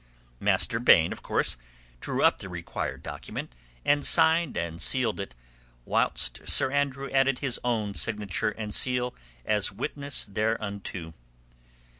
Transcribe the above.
Master Baine, of course, drew up the required document, and signed and sealed it, whilst Sir Andrew added his own signature and seal as witness thereunto.